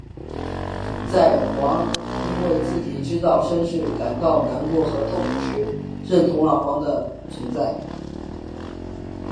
在煌因为知道自己的身世感到难过和痛苦时认同了煌的存在。